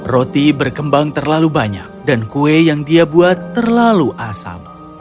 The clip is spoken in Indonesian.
roti berkembang terlalu banyak dan kue yang dia buat terlalu asam